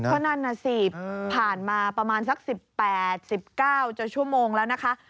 เพราะนั่นน่ะสิผ่านมาประมาณสัก๑๘๑๙จะชั่วโมงแล้วนะคะ